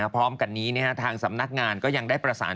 พร้อมกันนี้ทางสำนักงานก็ยังได้ประสาน